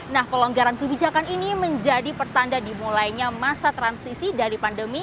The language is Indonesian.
nah pelonggaran kebijakan ini menjadi pertanda dimulainya masa transisi dari pandemi